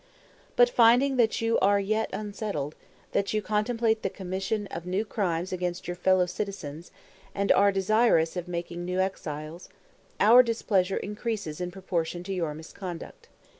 But finding that you are yet unsettled, that you contemplate the commission of new crimes against your fellow citizens, and are desirous of making new exiles, our displeasure increases in proportion to your misconduct.